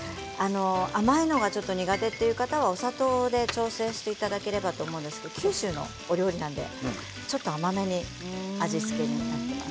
甘いのがちょっと苦手という方はお砂糖で調整していただければと思うんですが九州のお料理なのでちょっと甘めの味付けになっています。